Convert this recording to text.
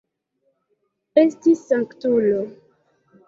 Esti sanktulo!